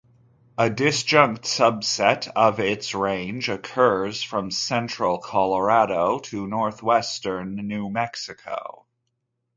A disjunct subset of its range occurs from central Colorado to northwestern New Mexico.